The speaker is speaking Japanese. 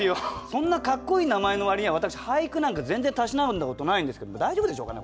そんなかっこいい名前の割には私俳句なんか全然たしなんだことないんですけれども大丈夫でしょうかね？